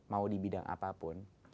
mau di bidang apapun